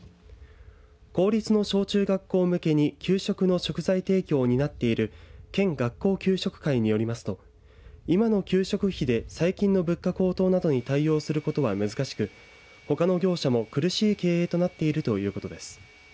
公立の小中学校向けに給食の食材提供を担っている県学校給食会によりますと今の給食費で最近の物価高騰などに対応することは難しくほかの業者も苦しい経営となっているということです。